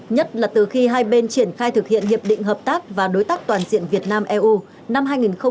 nhất là từ khi hai bên triển khai thực hiện hiệp định hợp tác và đối tác toàn diện việt nam eu năm hai nghìn một mươi bảy